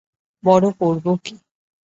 বড়ো করব কী!